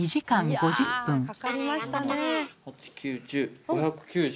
５９０。